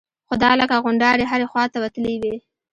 خو دا لکه غونډارې هرې خوا ته وتلي وي.